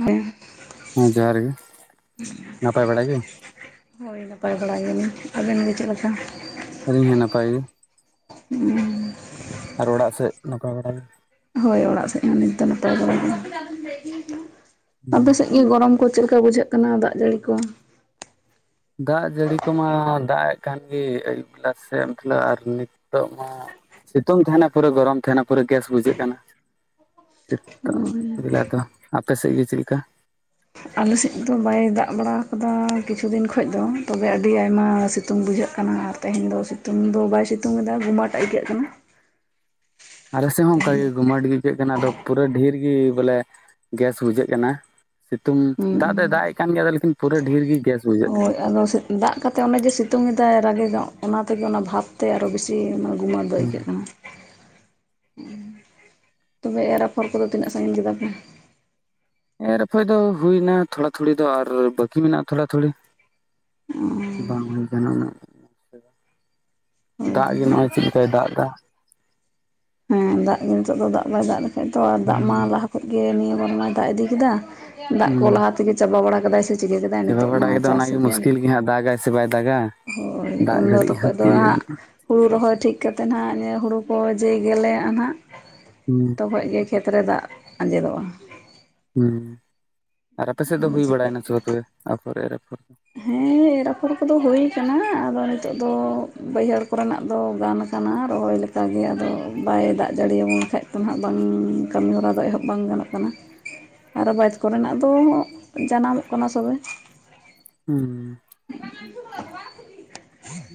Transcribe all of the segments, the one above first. ᱦᱮᱸ [inaudible] ᱦᱮᱸ ᱡᱚᱦᱟᱨ ᱜᱮ ᱱᱟᱯᱟᱭ ᱵᱟᱲᱟ ᱜᱮ ᱦᱳᱭ ᱱᱟᱯᱟᱭ ᱵᱟᱲᱟ ᱜᱮᱞᱤᱧ ᱟᱵᱮᱱ ᱜᱮ ᱪᱮᱫ ᱞᱮᱠᱟ ᱟᱹᱞᱤᱧ ᱦᱚᱸ ᱱᱟᱯᱟᱭ ᱜᱮ ᱦᱩᱸ ᱟᱨ ᱚᱲᱟᱜ ᱥᱮᱫ ᱱᱟᱯᱟᱭ ᱵᱟᱲᱟ ᱜᱮ ᱦᱳᱭ ᱚᱲᱟᱜ ᱥᱮᱫ ᱦᱚᱸ ᱱᱤᱛ ᱫᱚ ᱱᱟᱯᱟᱭ ᱵᱟᱲᱟ ᱜᱮ ᱜᱮ ᱟᱯᱮ ᱥᱮᱫ ᱜᱤ ᱜᱚᱨᱚᱢ ᱠᱚ ᱪᱮᱫ ᱞᱮᱠᱟ ᱵᱩᱡᱷᱟᱹᱜ ᱠᱟᱱᱟ ᱫᱟᱜ ᱡᱟᱹᱲᱤ ᱠᱚ ᱫᱟᱜ ᱡᱟᱹᱲᱤ ᱠᱚᱢᱟ ᱫᱟᱜ ᱮᱜ ᱠᱟᱱᱜᱤ ᱟᱹᱭᱩᱵ ᱵᱤᱞᱟ ᱥᱮᱫ ᱢᱤᱫ ᱛᱮᱞᱟ ᱟᱨ ᱱᱤᱛᱚᱜ ᱦᱚᱸ ᱥᱤᱛᱳᱝ ᱛᱮᱦᱮᱱᱟ ᱯᱩᱨᱟᱹ ᱜᱚᱨᱚᱢ ᱛᱮᱦᱮᱱᱟ ᱯᱩᱨᱟᱹ ᱜᱮᱥ ᱵᱩᱡᱷᱟᱹᱜ ᱠᱟᱱᱟ ᱥᱮᱛᱟᱜ ᱵᱮᱞᱟ ᱫᱚ, ᱟᱯᱮ ᱥᱮᱫ ᱜᱤ ᱪᱮᱫ ᱞᱤᱠᱟ ᱟᱞᱮᱥᱮᱫ ᱫᱚ ᱵᱟᱭ ᱫᱟᱜ ᱵᱟᱲᱟ ᱟᱠᱟᱫᱟ ᱠᱤᱪᱷᱩ ᱫᱤᱱ ᱠᱷᱚᱡ ᱫᱚ ᱛᱚᱵᱮ ᱟᱹᱰᱤ ᱟᱭᱢᱟ ᱥᱤᱛ.... ᱛᱩᱝ ᱵᱩᱡᱷᱟᱹᱜ ᱠᱟᱱᱟ ᱟᱨ ᱛᱮᱦᱮᱧ ᱫᱚ ᱥᱤᱛᱩᱝ ᱫᱚ ᱵᱟᱭ ᱥᱤᱛᱩᱝ ᱮᱫᱟ ᱜᱩᱢᱟᱹᱴ ᱟᱹᱭᱠᱟᱹᱜ ᱠᱟᱱᱟ ᱟᱞᱮᱥᱮᱜ ᱦᱚᱸ ᱚᱝᱠᱟᱜᱮ ᱜᱩᱢᱟᱹᱴ ᱜᱤ ᱟᱹᱭᱠᱟᱹᱜ ᱠᱟᱱᱟ ᱟᱫᱚ ᱯᱩᱨᱟᱹ ᱰᱷᱮᱨ ᱜᱤ ᱵᱚᱞᱮ ᱜᱮᱥ ᱵᱩᱡᱷᱟᱹᱜ ᱠᱟᱱᱟ ᱥᱤᱛᱩᱝ ᱦᱩᱸ ᱫᱟᱜ ᱫᱚᱭ ᱫᱟᱜ ᱮᱜ ᱠᱟᱱ ᱜᱮᱭᱟ ᱟᱫᱚ ᱞᱤᱠᱤᱱ ᱯᱩᱨᱟᱹ ᱰᱷᱮᱨ ᱜᱤ ᱜᱮᱥ ᱵᱩᱡᱷᱟᱹᱜ ᱠᱟᱱ ᱦᱳᱭ ᱠᱟᱱᱟ ᱟᱫᱚ ᱥᱮ... ᱫᱟᱜ ᱠᱟᱛᱮᱫ ᱚᱱᱮ ᱡᱮ ᱥᱤᱛᱩᱝ ᱮᱫᱟᱭ ᱨᱟ. ᱜᱤ ᱧᱚᱜ ᱚᱱᱟ ᱛᱮᱜᱮ ᱚᱱᱟ ᱵᱷᱟᱸᱯ ᱛᱮ ᱟᱨᱚ ᱵᱤᱥᱤ ᱚᱱᱟ ᱜᱩᱢᱟᱹᱫ ᱫᱚ ᱟᱹᱭᱠᱟᱹᱜ ᱠᱟᱱᱟ [inaudible] ᱛᱚᱵᱮ ᱮᱨ ᱟᱯᱷᱚᱨ ᱠᱚ ᱫᱚ ᱛᱤᱱᱟᱹᱜ ᱥᱟᱺᱜᱤᱧ ᱠᱮᱫᱟ ᱯᱮ ᱮᱨ ᱟᱯᱷᱚᱭ ᱫᱚ ᱦᱩᱭ ᱮᱱᱟ ᱛᱷᱚᱲᱟ ᱛᱷᱩᱲᱤ ᱫᱚ ᱟᱨ ᱵᱟᱠᱤ ᱢᱮᱱᱟᱜᱼᱟ ᱛᱷᱚᱲᱟ ᱛᱷᱩᱲᱤ ᱚ ᱵᱟᱝ ᱦᱩᱭ ᱟᱠᱟᱱᱟ ᱩᱱᱟᱹᱜ ᱦᱳᱭ ᱫᱟᱜ ᱦᱳᱭ ᱜᱮ ᱱᱚᱜ-ᱚᱭ ᱪᱤᱫ ᱞᱮᱠᱟᱭ ᱫᱟᱜ ᱮᱫᱟ ᱦᱮᱸ ᱫᱟᱜ ᱜᱤ ᱱᱤᱛᱚᱜ ᱫᱚ ᱫᱟᱜ ᱵᱟᱭ ᱫᱟᱜ ᱞᱮᱠᱷᱟᱡ ᱫᱚ ᱟᱨ ᱫᱟᱜ ᱢᱟ ᱞᱟᱦᱟ ᱠᱷᱚᱡ ᱜᱮ ᱱᱤᱭᱟᱹ ᱵᱟᱨ ᱢᱟᱭ ᱫᱟᱜ ᱤᱫᱤ ᱠᱮᱫᱟ ᱫᱟᱜ ᱠᱚ ᱞᱟᱦᱟ ᱛᱤᱜᱤ ᱪᱟᱵᱟ ᱵᱟᱲᱟ ᱠᱟᱫᱟᱭ ᱥᱮ ᱪᱤᱠᱟᱹ ᱠᱮᱫᱟᱭ ᱪᱟᱵᱟ ᱱᱤᱛᱚᱜ ᱵᱟᱲᱟ ᱢᱟ ᱞᱮᱫᱟᱭ ᱪᱟᱥ ᱚᱱᱟ ᱜᱤ ᱥᱤᱡᱮᱱ ᱢᱩᱥᱠᱤᱞ ᱜᱮᱭᱟ ᱦᱟᱸᱜ ᱫᱟᱜ-ᱟᱭ ᱥᱮ ᱵᱟᱭ ᱫᱟᱜ-ᱟ ᱦᱳᱭ ᱫᱟᱜ ᱩᱱᱫᱚ ᱜᱷᱟᱹᱲᱤᱡ ᱛᱚᱠᱷᱚᱡ ᱫᱚ ᱫᱤᱭᱮ ᱦᱟᱸᱜ ᱦᱩᱲᱩ ᱨᱚᱦᱚᱭ ᱴᱷᱤᱠ ᱠᱟᱛᱮᱫ ᱦᱟᱸᱜ ᱡᱮ ᱦᱩᱲᱩ ᱠᱚ ᱡᱮ ᱜᱮᱞᱮᱜᱼᱟᱜ ᱱᱟᱸᱦᱟᱜ ᱦᱩᱸ ᱛᱚᱠᱷᱚᱡ ᱜᱮ ᱠᱷᱮᱛᱨᱮ ᱫᱟᱜ ᱟᱸᱡᱮᱫᱚᱜᱼᱟ ᱦᱩᱸ ᱟᱨ ᱟᱯᱮ ᱥᱮᱫ ᱫᱚ ᱟᱫᱚ ᱦᱩᱭ ᱵᱟᱲᱟᱭ ᱪᱤᱠᱟᱹᱜ ᱮᱱᱟ ᱥᱮ ᱠᱟᱱᱟ ᱵᱟᱝ ᱛᱚᱵᱮ ᱟᱯᱷᱚᱨ ᱮᱨ ᱟᱯᱷᱚᱨ ᱠᱚ ᱦᱮᱸ ᱮᱨ ᱟᱯᱷᱚᱨ ᱠᱚ ᱫᱚ ᱦᱚᱭ ᱠᱟᱱᱟ ᱟᱫᱚ ᱱᱤᱛᱚᱜ ᱫᱚ ᱵᱟᱹᱭᱦᱟᱹᱲ ᱠᱚᱨᱮᱱᱟᱜ ᱫᱚ ᱜᱟᱱ ᱟ...... ᱠᱟᱱᱟ ᱨᱚᱦᱚᱭ ᱞᱮᱠᱟ ᱜᱮ ᱟᱫᱚ ᱵᱟᱭ ᱫᱟᱜ ᱡᱟᱹᱲᱤ ᱭᱟᱵᱚᱱ ᱠᱷᱟᱱᱡ ᱛᱚ ᱱᱟᱦᱟᱜ ᱵᱟᱝ ᱠᱟᱹᱢᱤ ᱦᱚᱨᱟ ᱫᱚ ᱮᱦᱚᱵ ᱵᱟᱝ ᱜᱟᱱᱚᱜ ᱠᱟᱱᱟ [inaudible] ᱟᱨᱚ ᱵᱟᱡ ᱠᱚᱨᱮᱱᱟᱜ ᱫᱚ ᱡᱟᱱᱟᱢᱚᱜ ᱠᱟᱱᱟ ᱥᱚᱵᱮ, ᱦᱩᱸ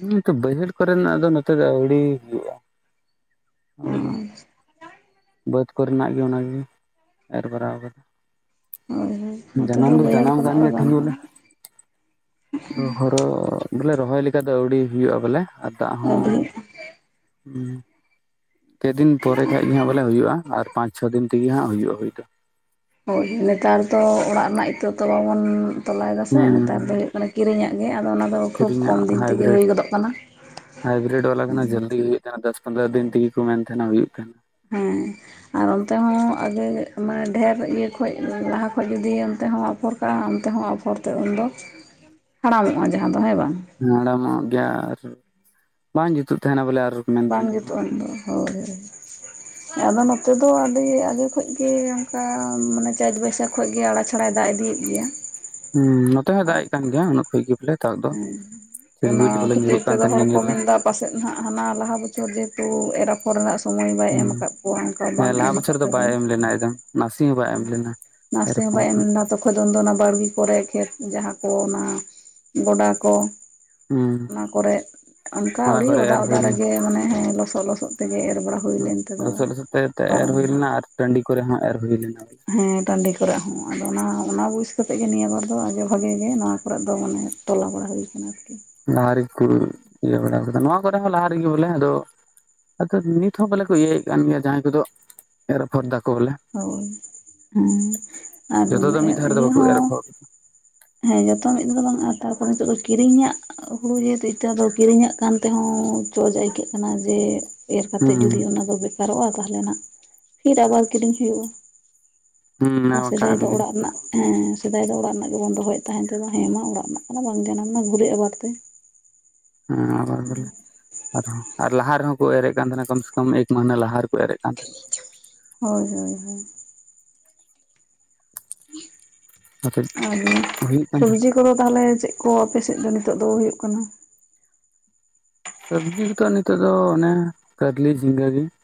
ᱦᱩᱸᱛᱚ ᱵᱟᱹᱭᱦᱟᱹᱲ ᱠᱚᱨᱮ ᱱᱟᱜ ᱫᱚ ᱱᱚᱛᱮ ᱫᱚ ᱟᱹᱣᱲᱤ ᱦᱩᱭᱩᱜᱼᱟ, ᱚ ᱡᱟ ᱦᱳᱭ ᱵᱟᱹᱫᱽ ᱠᱚᱨᱮᱱᱟᱜ ᱜᱮ ᱚᱱᱟᱜᱮ ᱮᱨ ᱵᱟᱨᱟᱣᱟᱠᱟᱫᱟ ᱦᱳᱭ ᱾ ᱱᱚᱛᱮ ᱡᱟᱱᱟᱢ ᱫᱚ ᱵᱟᱹᱭᱦᱟᱹᱲ ᱡᱟᱱᱟᱢ ᱟᱠᱟᱱ ᱠᱚᱨᱮᱱᱟᱜ ᱫᱚ ᱜᱮᱭᱟ ᱜᱟᱱ ᱴᱷᱤᱠ ᱵᱚᱞᱮ᱾ ᱠᱟᱱᱟ ᱨᱚ ᱦᱳᱨᱳ ᱵᱚᱞᱮ ᱨᱚᱦᱚᱭ ᱞᱮᱠᱟ ᱫᱚ ᱟᱹᱣᱲᱤ ᱦᱩᱭᱩᱜᱼᱟ ᱵᱚᱞᱮ ᱟᱨ ᱫᱟᱜ ᱦᱚᱸ ᱟᱹᱰᱤ ᱦᱩᱸ, ᱯᱮ ᱫᱤᱱ ᱯᱚᱨᱮ ᱠᱷᱟᱡ ᱜᱮ ᱦᱟᱸᱜ ᱵᱚᱞᱮ ᱦᱩᱭᱩᱜᱼᱟ ᱟᱨ ᱯᱟᱸᱪ ᱪᱷᱚ ᱫᱤᱱ ᱛᱮᱜᱤ ᱦᱟᱸᱜ ᱦᱩᱭᱩᱜᱼᱟ ᱦᱩᱭ ᱫᱚ᱾ ᱦᱳᱭ! ᱱᱮᱛᱟᱨ ᱫᱚ ᱚᱲᱟᱜ ᱨᱮᱱᱟᱜ ᱤᱛᱟᱹ ᱛᱚ ᱵᱟᱵᱚᱱ ᱛᱚᱞᱟᱭᱮᱫᱟ ᱥᱮ ᱱᱮᱛᱟᱨ ᱫᱚ ᱦᱩᱸ ᱦᱩᱭᱩᱜ- ᱢᱟᱱᱮ ᱠᱤᱨᱤᱧᱟᱜ ᱢᱮᱭᱟ ᱟᱫᱚ ᱚᱱᱟᱫᱚ ᱠᱷᱩᱵ ᱠᱤᱨᱤᱧᱟᱜ ᱠᱚᱢ ᱫᱤᱱ ᱛᱮᱜᱮ ᱦᱩᱭ ᱜᱚᱫᱚᱜ ᱠᱟᱱᱟ᱾ ᱦᱟᱭᱵᱤᱨᱤᱰ ᱣᱟᱞᱟ ᱠᱟᱱᱟ ᱡᱟᱹᱞᱫᱤ ᱤᱭᱟᱹᱜ ᱠᱟᱱᱟ ᱫᱚᱥ ᱯᱚᱸᱫᱽᱨᱚ ᱫᱤᱱ ᱛᱮᱜᱮ ᱠᱚ ᱢᱮᱱ ᱛᱟᱦᱮᱸᱱᱟ ᱦᱩᱭᱩᱜ ᱠᱟᱱᱟ, ᱦᱮᱸ ᱟᱨ ᱚᱸᱛᱮ ᱦᱚᱸ ᱟᱜᱮ ᱮᱜ ᱢᱟᱱᱮ ᱰᱮᱦᱮᱨ ᱤᱭᱟᱹ ᱠᱷᱚᱡ ᱞᱟᱦᱟ ᱠᱷᱚᱡ ᱜᱮ ᱡᱩᱫᱤ ᱚᱸᱛᱮ ᱦᱚᱸ ᱚᱯᱷᱚᱨ ᱚᱢ ᱛᱮᱦᱚᱸ ᱟᱯᱷᱚᱨᱛᱮ ᱩᱱᱫᱚ ᱦᱟᱲᱟᱢᱚᱜ-ᱟ ᱡᱟᱦᱟᱸ ᱫᱚ ᱦᱮᱸ ᱵᱟᱝ᱾ ᱦᱟᱲᱟᱢᱚᱜ ᱜᱮᱭᱟ ᱟᱨ ᱵᱟᱝ ᱡᱩᱛᱩ ᱛᱷᱮᱱᱟ ᱵᱚᱞᱮ ᱟᱨ᱾ ᱢᱮᱱ ᱵᱟᱝ ᱛᱟᱦᱮᱱ ᱠᱚ ᱡᱩᱛᱩᱜᱟᱱ ᱫᱚ ᱦᱳᱭ᱾ ᱦᱮᱸ ᱟᱫᱚ ᱱᱚᱛᱮ ᱫᱚ ᱟᱹᱰᱤ ᱟᱜᱮ ᱠᱷᱚᱭ ᱜᱮ ᱚᱱᱠᱟ ᱢᱟᱱᱮ ᱪᱟᱸᱫᱽ ᱵᱚᱹᱭᱥᱟᱹᱠᱷᱼᱼ ᱠᱷᱚᱡ ᱜᱮ ᱟᱲᱟ ᱪᱷᱟᱲᱟᱭ ᱫᱟᱜ ᱤᱫᱤᱭᱮᱫ ᱜᱮᱭᱟ ᱦᱩᱸᱻ ᱱᱚᱛᱮ ᱦᱚᱸ ᱫᱟᱜ ᱮᱫ ᱠᱟᱱ ᱜᱮᱭᱟ ᱩᱱᱟᱹᱜ ᱠᱷᱚᱡ ᱜᱮ ᱵᱚᱞᱮ᱾ ᱫᱟᱜ ᱫᱚ ᱦᱮᱸ ᱚᱱᱟ ᱪᱤᱨᱵᱤᱴ ᱵᱚᱞᱮ ᱠᱷᱟᱹᱛᱤᱨ ᱧᱩᱨᱩᱜ ᱠᱟᱱ ᱛᱮᱫᱚ ᱛᱟᱦᱮᱱ ᱦᱚᱲ ᱜᱮᱭᱟ ᱠᱚ ᱧᱩᱨ ᱫᱚ ᱢᱮᱱᱫᱟ ᱯᱟᱥᱮᱱ ᱦᱟᱸ ᱦᱟᱱᱟ ᱞᱟᱦᱟ ᱵᱚᱪᱷᱚᱨ ᱡᱮᱦᱮᱛᱩ ᱮᱨᱟᱯᱼᱼ ᱟᱯᱷᱚᱨ ᱥᱚᱢᱚᱭ ᱵᱟᱭ ᱮᱢ ᱦᱩᱸ ᱠᱟ ᱠᱚᱣᱟ ᱚᱱᱠᱟ ᱚᱱᱠᱟ ᱵᱟᱝ ᱮᱢ ᱠᱟᱛᱮ ᱱᱚᱜᱭᱚᱭ᱾ ᱱᱟᱭᱮᱫᱟ ᱱᱟᱥᱤ ᱦᱮᱸ ᱱᱟᱥᱮ ᱦᱚᱸ ᱵᱟᱭ ᱮᱢ ᱞᱮᱫᱟ ᱛᱚᱠᱷᱚᱱᱼᱼ ᱠᱚᱫᱚᱱ ᱫᱚ ᱚᱱᱟ ᱵᱟᱲᱜᱮ ᱠᱚᱨᱮ ᱠᱷᱮᱛ ᱡᱟᱦᱟᱸ ᱠᱚ ᱚᱱᱟ ᱜᱚᱰᱟ ᱠᱚ ᱦᱩᱸ ᱚᱱᱟ ᱠᱚᱨᱮ ᱚᱱᱠᱟ ᱚᱱᱟ ᱟᱹᱣᱲᱤ ᱠᱚᱨᱮ ᱚᱫᱟ ᱮᱨ ᱦᱩᱭ ᱚᱫᱟ ᱞᱮᱱᱟ ᱨᱮᱜᱮ ᱢᱟᱱᱮ ᱦᱮᱸ ᱞᱚᱥᱚᱫ ᱞᱚᱥᱚᱫ ᱛᱮᱜᱮ ᱮᱨ ᱵᱟᱲᱟ ᱦᱩᱭ ᱞᱮᱱ ᱛᱮᱫᱚ ᱞᱚᱥᱚᱫ ᱞᱚᱥᱚᱫ ᱛᱮ ᱮᱨ ᱦᱩᱭ ᱯᱟᱨᱚᱢᱮᱱᱟ ᱞᱮᱱᱟ ᱟᱨ ᱴᱟᱺᱰᱤ ᱠᱚᱨᱮ ᱦᱚᱸ ᱮᱨ ᱦᱩᱭ ᱞᱮᱱᱟ ᱾ ᱦᱮᱸ ᱴᱟᱺᱰᱤ ᱠᱚᱨᱮ ᱦᱚᱸ ᱟᱫᱚ ᱚᱱᱟ ᱚᱱᱟ ᱵᱩᱡᱽ ᱠᱟᱛᱮ ᱜᱮ ᱱᱤᱭᱟᱹ ᱵᱟᱨ ᱫᱚ ᱟᱡᱚ ᱵᱷᱟᱜᱮ ᱜᱮ ᱱᱚᱣᱟ ᱠᱚᱨᱮ ᱫᱚ ᱢᱟᱱᱮ ᱛᱚᱞᱟ ᱵᱟᱲᱟ ᱦᱩᱭ ᱠᱟᱱᱟ ᱟᱨᱠᱤ ᱾ ᱞᱟᱦᱟ ᱨᱮᱜᱮᱠᱚ ᱤᱭᱟᱹ ᱵᱟᱲ ᱟᱠᱟᱫᱟ ᱱᱚᱣᱟ ᱠᱚᱨᱮᱦ ᱞᱟᱦᱟ ᱨᱮᱜᱮ ᱵᱚᱞᱮ ᱟᱫᱚ ᱟᱫᱚ ᱱᱤᱛ ᱦᱚᱸ ᱵᱟᱞᱮ ᱠᱚ ᱤᱭᱟᱹᱭᱮ ᱠᱟᱱ ᱜᱮᱭᱟ ᱡᱟᱦᱟᱸᱭ ᱠᱚᱫᱚ ᱮᱨ ᱟᱯᱷᱚᱨ ᱫᱟ ᱠᱚ ᱵᱚᱞᱮ ᱦᱳᱭ ᱦᱩᱸ ᱡᱚᱛᱚ ᱫᱚ ᱢᱤᱫ ᱟᱨ ᱫᱷᱟᱣ ᱨᱮᱫᱚ ᱤᱭᱟᱹ ᱵᱟᱠᱚ ᱮᱨ ᱦᱚᱸ ᱟᱯᱷᱚᱨ ᱦᱮᱸ ᱡᱚᱛᱚ ᱢᱤᱫ ᱫᱷᱟ ᱫᱚ ᱵᱟᱝ-ᱟ ᱛᱟᱨᱯᱚᱨᱮ ᱱᱤᱛᱚᱜ ᱫᱚ ᱠᱤᱨᱤᱧᱟᱜ ᱦᱩᱲᱩ ᱡᱤᱛᱩ ᱤᱛᱟᱹ ᱫᱚ ᱠᱤᱨᱤᱧᱚᱜ ᱠᱟᱱ ᱛᱮᱦᱚᱸ ᱪᱚᱞᱡᱟ ᱟᱹᱭᱠᱟᱹᱜ ᱠᱟᱱᱟ ᱡᱮ ᱮᱨ ᱦᱩᱸ ᱠᱟᱛᱮᱫ ᱡᱩᱫᱤ ᱚᱱᱟ ᱫᱚ ᱵᱮᱠᱟᱨᱚᱜ-ᱟ ᱛᱟᱦᱚᱞᱮ ᱦᱟᱸᱜ ᱯᱷᱤᱨ ᱟᱵᱟᱨ ᱠᱤᱨᱤᱧ ᱦᱩᱭᱩᱜ-ᱟ᱾ ᱦᱩᱸ ᱚᱱᱟ ᱟᱨ ᱢᱟ ᱥᱮᱫᱟᱭ ᱠᱟᱱ ᱫᱚ ᱜᱮ ᱚᱲᱟᱜ ᱨᱮᱱᱟᱜ ᱦᱮᱸ ᱥᱮᱫᱟᱭ ᱫᱚ ᱚᱲᱟᱜ ᱨᱮᱱᱟᱜ ᱜᱮᱵᱚᱱ ᱫᱚᱦᱚᱭᱮᱫ ᱛᱟᱦᱮᱸ ᱛᱚ ᱦᱮᱸ ᱢᱟ ᱚᱲᱟᱜ ᱨᱮᱱᱟᱜ ᱠᱟᱱᱟ ᱵᱟᱝ ᱡᱟᱱᱟᱢ ᱱᱟ ᱜᱷᱩᱨᱮ ᱟᱵᱟᱨ ᱛᱮ᱾ ᱦᱮᱸ ᱟᱵᱟᱨ ᱵᱚᱞᱮ ᱟᱨᱦᱚᱸ ᱟᱨ ᱞᱟᱦᱟ ᱨᱮᱦᱚᱸ ᱠᱚ ᱮᱨᱮ ᱠᱟᱱ ᱛᱟᱦᱮᱱᱟ ᱠᱚᱢ ᱥᱚᱠᱚᱢ ᱮᱠ ᱢᱟᱹᱦᱱᱟᱹ ᱞᱟᱦᱟ ᱨᱮᱠᱚ ᱮᱨᱮ ᱠᱟᱱ ᱛᱟᱦᱮᱸᱱᱟ᱾ ᱦᱳᱭ ᱦᱳᱭ ᱦᱳᱭ᱾ ᱠᱟᱹᱴᱤᱡ ᱟᱵᱤᱱ ᱦᱩᱭᱩᱜ ᱠᱟᱱ ᱛᱟᱦᱮᱸᱱᱟ ᱥᱚᱵᱡᱤ ᱠᱚᱫᱚ ᱛᱟᱦᱚᱞᱮ ᱪᱮᱫ ᱠᱚ ᱟᱯᱮ ᱥᱮᱫ ᱫᱚ ᱱᱤᱛᱚᱜ ᱫᱚ ᱦᱩᱭᱩᱜ ᱠᱟᱱᱟ? ᱥᱚᱵᱽᱡᱤ ᱠᱚᱫᱚ ᱱᱤᱛᱚᱜ ᱫᱚ ᱚᱱᱮ ᱠᱟᱨᱞᱤ, ᱡᱷᱤᱜᱟᱹ ᱜᱮ ᱾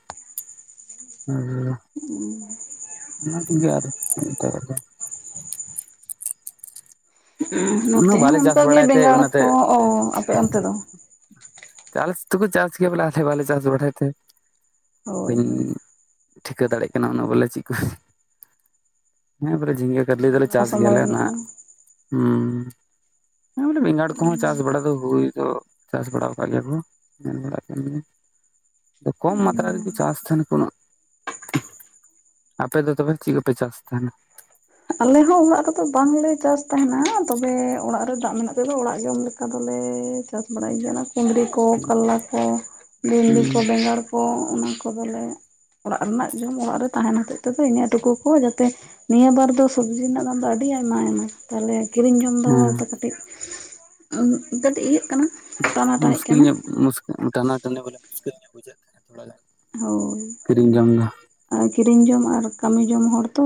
[unintelligible] [unintelligible] ᱚᱱᱟ ᱛᱮᱜᱮ [unintelligible] [inaudible] ᱚᱱᱟ ᱱᱚᱛᱮ ᱦᱚᱸ ᱵᱟᱞᱮ ᱪᱟᱥ ᱚᱱᱠᱟᱜ ᱜᱮ ᱵᱟᱲᱟᱭ ᱛᱮ ᱵᱮᱜᱟᱹᱲ ᱚᱱᱟᱛᱮ ᱠᱚ ᱾ ᱟᱯᱮ ᱚᱱᱛᱮ ᱫᱚ? ᱪᱟᱥ ᱫᱚᱠᱚ ᱪᱟᱥ ᱜᱮᱭᱟ ᱵᱚᱞᱮ ᱟᱞᱮ ᱵᱟᱞᱮ ᱪᱟᱥ ᱵᱟᱲᱟᱭ ᱛᱮ ᱦᱳᱭ ᱦᱳᱭ [unintelligible] ᱴᱷᱤᱠᱟᱹ ᱫᱟᱲᱮᱜ ᱠᱟᱱᱟ ᱚᱱᱟ ᱵᱟᱞᱮ ᱪᱤᱠᱟᱹ ᱠᱩ ᱦᱮᱸ ᱵᱚᱞᱮ ᱡᱷᱤᱸᱜᱟᱹ, ᱠᱟᱨᱞᱤ ᱢᱟᱱᱮ ᱫᱚᱞᱮ ᱱᱚᱣᱟ ᱪᱟᱥ ᱜᱮᱭᱟ ᱥᱚᱢᱚᱭ ᱞᱮ᱾ ᱨᱮᱱᱟᱜ ᱚᱱᱟ ᱫᱚ [inaudible] [unintelligible] ᱵᱮᱜᱟᱹᱲ ᱠᱚᱦᱚᱸ ᱪᱟᱥ ᱵᱟᱲᱟ ᱫᱚ ᱦᱩᱭ ᱫᱚ ᱪᱟᱥ ᱵᱟᱲᱟ ᱜᱮᱭᱟ ᱠᱚ ᱧᱮᱱ ᱵᱟᱲᱟ ᱠᱟᱱ ᱜᱮᱭᱟ, ᱠᱚᱢ ᱦᱩᱸ ᱢᱟᱛᱨᱟ ᱦᱩᱸ ᱨᱮᱜᱮ ᱪᱟᱹᱥ ᱟᱯᱮ ᱫᱚ ᱛᱚᱵᱮ ᱪᱮᱫ ᱠᱚᱯᱮ ᱪᱟᱥ ᱛᱟᱦᱮᱱᱟ? ᱟᱞᱮ ᱦᱚᱸ ᱚᱲᱟᱜ ᱨᱮᱫᱚ ᱵᱟᱝ ᱞᱮ ᱪᱟᱹᱥ ᱛᱟᱦᱮᱱᱟ, ᱛᱚᱵᱮ ᱚᱲᱟᱜ ᱨᱮ ᱫᱟᱜ ᱢᱮᱱᱟᱜ ᱛᱮᱫᱚ ᱚᱲᱟᱜ ᱡᱚᱢ ᱞᱮᱠᱟ ᱫᱚᱞᱮ ᱪᱟᱥ ᱵᱟᱲᱟᱭ ᱜᱮ ᱠᱩᱫᱽᱨᱤ ᱠᱚ, ᱠᱟᱞᱞᱟ ᱠᱚ, ᱵᱷᱮᱱᱰᱤ ᱠᱚ, ᱦᱩᱸ ᱵᱮᱜᱟᱹᱲ ᱠᱚ, ᱠᱚ ᱚᱱᱟ ᱠᱚᱫᱚ ᱞᱮ ᱚᱲᱟᱜ ᱨᱮᱱᱟᱜ ᱡᱚᱢ ᱚᱲᱟᱜ ᱨᱮ ᱛᱟᱦᱮᱱ ᱦᱚᱛᱮᱫ ᱛᱮᱜᱮ, ᱤᱱᱟᱹ ᱴᱩᱠᱩ ᱠᱚ ᱡᱟᱛᱮ ᱱᱤᱭᱟᱹ ᱵᱟᱨ ᱫᱚ ᱥᱚᱵᱽᱡᱤ ᱨᱮᱱᱟᱜ ᱫᱟᱢ ᱫᱚ ᱟᱹᱰᱤ ᱟᱭᱢᱟ ᱟᱭᱢᱟ ᱛᱟᱦᱞᱮ ᱠᱤᱨᱤᱧ ᱡᱚᱢ ᱫᱚ ᱦᱮᱸ ᱠᱟᱹᱴᱤᱡ ᱠᱟᱴᱤᱡ ᱤᱭᱟᱹᱜ ᱠᱟᱱᱟ᱾ ᱩᱸᱦ ᱴᱟᱱᱟᱴᱟᱱᱤᱜ ᱢᱩᱥᱠᱤᱞ ᱠᱟᱱᱟ ᱧᱚᱜ ᱢᱩᱥᱠᱤ, ᱴᱟᱱᱟ ᱴᱟᱹᱱᱤ ᱵᱚᱞᱮ ᱢᱩᱥᱠᱤᱞ ᱧᱚᱜ ᱵᱩᱡᱷᱟᱹᱜ ᱠᱟᱱᱟ ᱛᱷᱚᱲᱟ ᱜᱟᱱ᱾ ᱦᱳᱭ! ᱠᱤᱨᱤᱧ ᱡᱚᱢ ᱫᱚ ᱟᱨ ᱠᱤᱨᱤᱧ ᱡᱚᱢ ᱟᱨ ᱠᱟᱢᱤ ᱡᱚᱝ ᱦᱚᱲ ᱛᱚ᱾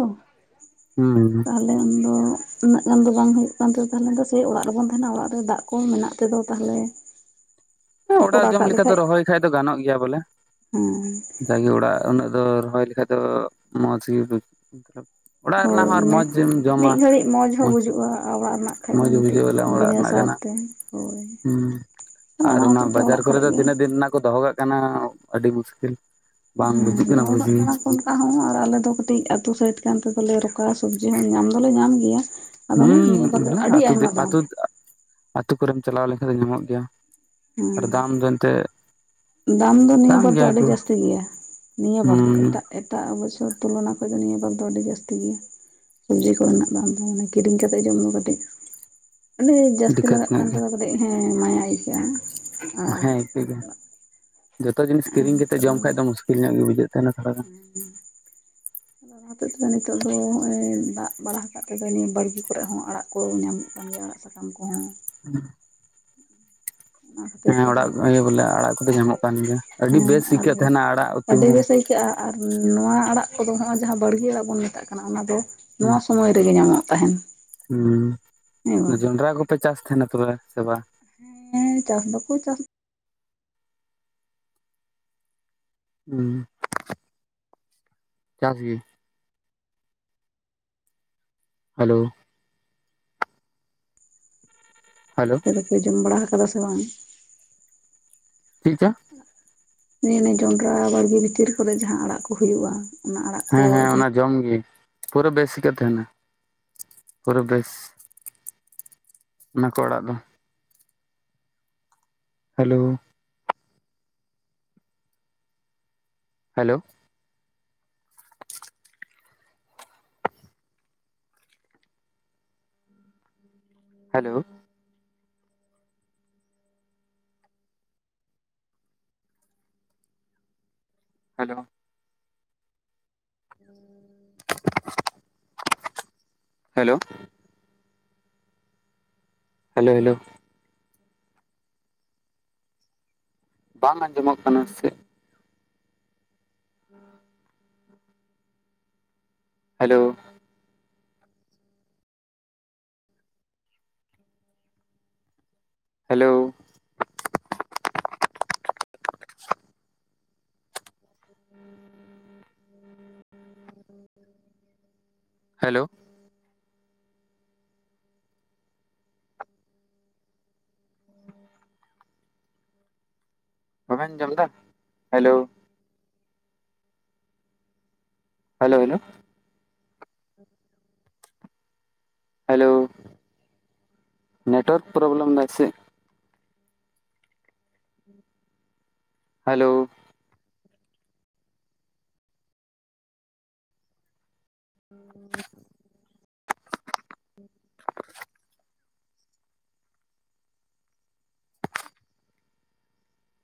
ᱦᱩᱸ ᱞᱟᱹᱤᱱ ᱫᱚᱜ ᱩᱱᱟᱹᱜ ᱜᱟᱱ ᱫᱚ ᱵᱟᱝ ᱦᱩᱭᱩᱜ ᱠᱟᱱᱛᱮ, ᱛᱟᱦᱮᱞᱮ ᱫᱚ ᱥᱟᱹᱭ ᱚᱲᱟᱜ ᱨᱮᱵᱚᱱ ᱛᱟᱦᱮᱸᱱᱟ ᱚᱲᱟᱜ ᱨᱮ ᱫᱟᱜ ᱠᱚ ᱢᱮᱱᱟᱜ ᱛᱮᱫᱚ ᱛᱟᱦᱚᱞᱮ ᱦᱚᱸ ᱚᱲᱟᱜ ᱠᱚᱨᱟᱣ ᱡᱚᱢ ᱠᱟᱜ ᱞᱮᱠᱟ ᱫᱚ ᱞᱮᱠᱷᱟᱡ ᱨᱚᱦᱚᱭ ᱠᱷᱟᱡ ᱫᱚ ᱜᱟᱱᱚᱜ ᱜᱮᱭᱟ ᱵᱚᱞᱮ᱾ ᱦᱮᱸ [unintelligible] ᱡᱟᱜᱮ ᱚᱲᱟᱜ ᱩᱱᱟᱹᱜ ᱫᱚ ᱨᱚᱦᱚᱭ ᱞᱮᱠᱷᱟᱡ ᱫᱚ ᱢᱚᱸᱡᱽ ᱜᱮ ᱦᱩᱭ ᱠᱚᱜ ᱢᱚᱛᱞᱳᱵ ᱚᱲᱟᱜ ᱨᱮᱱᱟᱜ ᱦᱳᱭ ᱦᱚᱸ ᱟᱨ ᱢᱮ ᱢᱚᱡᱽ ᱮᱢ ᱢᱤᱫ ᱡᱚᱢᱟ ᱜᱷᱟᱹᱲᱤᱡ ᱢᱚᱸᱡᱽ ᱦᱚᱸ ᱦᱮᱸᱪᱮ ᱵᱩᱡᱩᱜᱼᱟ ᱚᱲᱟᱜ ᱨᱮᱱᱟᱜ ᱠᱷᱟᱡ ᱫᱚ ᱢᱚᱡᱽ ᱜᱮ ᱢᱤᱫᱴᱤᱡ ᱵᱩᱡᱟᱹᱣ ᱟᱞᱟᱝ ᱚᱲᱟᱜ ᱵᱤᱱᱟᱹ ᱨᱮᱱᱟᱜ ᱥᱟᱨ ᱠᱟᱱᱟ᱾ ᱛᱮ ᱦᱳᱭ ᱦᱩᱸ, ᱟᱫᱚ ᱟᱨ ᱚᱱᱟ ᱦᱚᱛᱮᱡ ᱛᱮ ᱵᱟᱡᱟᱨ ᱚᱲᱟᱜ ᱠᱚᱨᱮ ᱫᱚ ᱜᱮ ᱛᱤᱱᱟᱹᱜ ᱫᱤᱱ ᱨᱮᱱᱟᱜ ᱠᱚ ᱫᱚᱦᱚ ᱠᱟᱜ ᱠᱟᱱᱟ, ᱟᱹᱰᱤ ᱢᱩᱥᱠᱤᱞ ᱵᱟᱝ ᱵᱩᱡᱩᱜ ᱠᱟᱱᱟ ᱵᱩᱡᱽ ᱜᱮ᱾ ᱛᱟ ᱦᱚᱸ ᱟᱨ ᱟᱞᱮ ᱫᱚ ᱠᱟᱹᱴᱤᱡ ᱟᱹᱛᱩ ᱥᱟᱹᱭᱤᱰ ᱠᱟᱱ ᱛᱮ ᱫᱚᱞᱮ ᱨᱚᱠᱟ ᱥᱚᱵᱽᱡᱤ ᱦᱚᱸ ᱧᱟᱢ ᱫᱚᱞᱮ ᱧᱟᱢ ᱜᱮᱭᱟ, ᱟᱫᱚ ᱚᱱᱮ ᱱᱤᱭᱟᱹ ᱦᱩᱸ ᱵᱟᱨ ᱫᱚ ᱵᱚᱞᱮ ᱟᱹᱰᱤ ᱟᱹᱛᱩ ᱟᱭᱢᱟ ᱫᱟᱢ᱾ ᱟᱹᱛᱩ ᱟᱹᱛᱩ ᱠᱚᱨᱮᱢ ᱪᱟᱞᱟᱣ ᱞᱮᱱᱠᱷᱟᱱ ᱫᱚ ᱧᱟᱢᱚᱜ ᱜᱮᱭᱟ ᱟᱨ ᱦᱮᱸ ᱫᱟᱢ ᱫᱚ ᱮᱸᱛᱮᱜ ᱫᱟᱢ ᱫᱚ ᱱᱤᱭᱟᱹ ᱵᱟᱨ ᱫᱚ ᱟᱹᱰᱤ ᱡᱟᱹᱥᱛᱤ ᱜᱮᱭᱟ ᱱᱤᱭᱟᱹ ᱵᱟᱨ ᱫᱚ ᱦᱩᱸ ᱮᱴᱟᱜ ᱮᱴᱟᱜ ᱵᱚᱪᱷᱚᱨ ᱛᱩᱞᱚᱱᱟ ᱠᱷᱚᱡ ᱫᱚ ᱱᱤᱭᱟᱹ ᱵᱟᱨ ᱫᱚ ᱟᱹᱰᱤ ᱡᱟᱹᱥᱛᱤ ᱜᱮᱭᱟ᱾ ᱥᱩᱵᱽᱡᱤ ᱠᱚᱨᱮᱱᱟᱜ ᱫᱟᱢ ᱫᱚ ᱢᱟᱱᱮ ᱠᱤᱨᱤᱧ ᱠᱟᱛᱮᱜ ᱡᱚᱢ ᱫᱚ ᱠᱟᱹᱴᱤᱡ ᱟᱹᱰᱤ ᱡᱟᱹᱥᱛᱤ ᱫᱤᱠᱠᱟᱛ ᱞᱟᱜᱟᱜ ᱧᱚᱜ ᱠᱟᱱ ᱜᱮ ᱛᱚᱵᱮ ᱵᱚᱞᱮᱜ ᱦᱮᱸ ᱢᱟᱭᱟ ᱟᱹᱭᱠᱟᱹᱜᱼᱟ᱾ ᱟᱨ ᱦᱮᱸ ᱯᱤᱡᱟ ᱡᱚᱛᱚ ᱡᱤᱱᱤᱥ ᱟᱨ ᱠᱤᱨᱤᱧ ᱠᱟᱛᱮᱜ ᱡᱚᱢ ᱠᱷᱟᱡ ᱫᱚ ᱢᱩᱥᱠᱤᱞ ᱧᱚᱜ ᱜᱮ ᱵᱩᱡᱟᱹᱜ ᱦᱩᱸᱻ ᱦᱩᱸ᱾ ᱫᱟᱜ ᱦᱚᱛᱮᱫ ᱛᱮᱫᱚ ᱱᱤᱛᱚᱜ ᱫᱚ ᱱᱚᱜᱼᱚᱭ ᱫᱟᱜ ᱵᱟᱲᱟ ᱟᱠᱟᱫ ᱛᱮᱫᱚ ᱱᱤᱭᱟᱹ ᱵᱟᱲᱜᱮ ᱠᱚᱨᱮ ᱦᱚᱸ ᱟᱲᱟᱜ ᱠᱚ ᱧᱟᱢᱚᱜ ᱠᱟᱱ ᱜᱮᱭᱟ ᱟᱲᱟᱜ ᱥᱟᱠ ᱨᱟᱢ ᱠᱚᱦᱚᱸ, ᱦᱩᱸ ᱚᱱᱟ ᱠᱷᱟᱹᱛᱤᱨ ᱦᱮᱸ ᱛᱮᱫᱚ, ᱚᱲᱟᱜ ᱤᱭᱟᱹ ᱵᱚᱞᱮ ᱟᱲᱟᱜ ᱠᱚᱫᱚ ᱧᱟᱢᱚᱜ ᱠᱟᱱ ᱜᱮᱭᱟ ᱟᱹᱰᱤ ᱦᱮᱸ ᱵᱮᱥ ᱟᱹᱭᱠᱟᱹᱜ ᱟᱨᱦᱚᱸ ᱛᱟᱦᱮᱱᱟ ᱟᱲᱟᱜ ᱩᱛᱩ ᱟᱹᱰᱤ ᱦᱚᱸ ᱜᱮ ᱥᱚᱭᱠᱟᱜᱼᱟ᱾ ᱟᱨ ᱱᱚᱣᱟ ᱟᱲᱟᱜ ᱠᱚᱫᱚ ᱦᱚᱸᱜᱚᱭ ᱡᱟᱦᱟᱸ ᱵᱟᱲᱜᱮ ᱟᱲᱟᱜ ᱵᱚᱱ ᱢᱮᱛᱟᱜ ᱠᱟᱱᱟ ᱚᱱᱟ ᱫᱚ, ᱱᱚᱣᱟ ᱦᱩᱸ ᱥᱚᱢᱚᱭ ᱨᱮᱜᱮ ᱧᱟᱢᱚᱜ ᱛᱟᱦᱮᱱ᱾ ᱦᱮᱸ ᱦᱩᱸ ᱵᱟᱝ ᱡᱚᱱᱰᱟᱨᱟ ᱠᱚᱯᱮ ᱪᱟᱥ ᱛᱟᱦᱮᱱᱟ ᱛᱚᱵᱮ, ᱥᱮ ᱵᱟᱝ? ᱦᱮᱸ ᱪᱟᱥ ᱫᱚᱠᱚ ᱪᱟᱥ ᱩᱸ ᱪᱟᱥ ᱜᱮ ᱾ ᱦᱟᱞᱳ? ᱦᱮᱞᱳ ᱟᱯᱮ ᱫᱚᱯᱮ ᱡᱚᱢ ᱵᱟᱲᱟ ᱦᱟᱠᱟᱫᱟ ᱥᱮ ᱵᱟᱝ? ᱪᱤᱜ ᱪᱚ? ᱮᱻᱱᱮ ᱡᱚᱱᱰᱨᱟ ᱵᱟᱲᱜᱮ ᱵᱷᱤᱛᱤᱨ ᱠᱚᱨᱮ ᱡᱟᱦᱟᱸ ᱟᱲᱟᱜ ᱠᱚ ᱦᱩᱭᱩᱜᱼᱟ᱾ ᱚᱱᱟ ᱟᱲᱟᱜ ᱠᱚ ᱦᱮᱸ ᱦᱮᱸ ᱛᱤᱱᱟᱹᱜ ᱚᱱᱟ ᱡᱚᱢ ᱜᱤ, ᱯᱩᱨᱟᱹ ᱵᱮᱥᱤᱠᱟ ᱛᱟᱦᱮᱱᱟ ᱯᱩᱨᱟᱹ ᱵᱮᱥ᱾ ᱚᱱᱟ ᱠᱚ ᱟᱲᱟᱜ ᱫᱚ, hello? Hello hello hello [inaudible] hello hello hello ᱵᱟᱝ ᱟᱸᱡᱚᱢᱚᱜ ᱠᱟᱱᱟ ᱥᱮ [inaudible] ᱦᱮᱞᱳ ᱦᱮᱞᱳ [inaudible] ᱦᱮᱞᱳ ᱵᱟᱵᱮᱱ ᱟᱡᱚᱢ ᱫᱟ? Hello hello hello hello, network problem ᱫᱟᱭ ᱥᱮ ᱦᱮᱞᱳ [inaudible]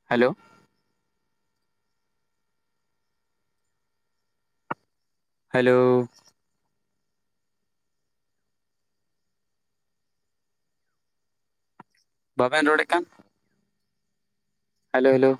ᱦᱮᱞᱳ ᱦᱮᱞᱳ ᱵᱟᱵᱮᱱ ᱨᱚᱲᱮᱫ ᱠᱟᱱ? Hello hello